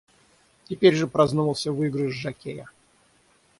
Теперь же праздновался выигрыш жокея.